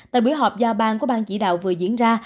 tại buổi họp giao bàn của bàn chỉ đạo vừa diễn ra